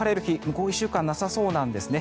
こう１週間なさそうなんですね。